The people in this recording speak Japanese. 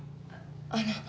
あの。